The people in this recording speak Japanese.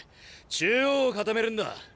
中央を固めるんだ。